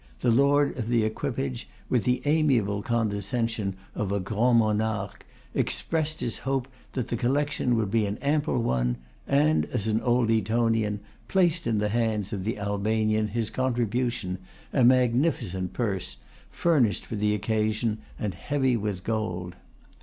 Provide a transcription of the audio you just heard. The Lord of the equipage, with the amiable condescension of a 'grand monarque,' expressed his hope that the collection would be an ample one, and as an old Etonian, placed in the hands of the Albanian his contribution, a magnificent purse, furnished for the occasion, and heavy with gold.